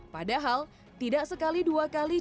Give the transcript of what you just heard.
padahal tidak sekali dua orang yang berpengalaman